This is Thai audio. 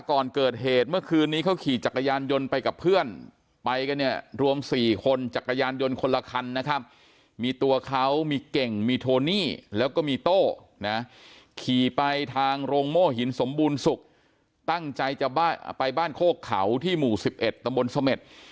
ก่อนเกิดเหตุเมื่อคืนนี้เขาขี่จักรยานยนต์ไปกับเพื่อนไปกันเนี่ยรวม๔คนจักรยานยนต์คนละคันนะครับมีตัวเขามีเก่งมีโทนี่แล้วก็มีโต้นะขี่ไปทางโรงโม่หินสมบูรณ์สุขตั้งใจจะไปบ้านโคกเขาที่หมู่๑๑ตำบลเสม็ด